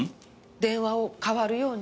電話を代わるように。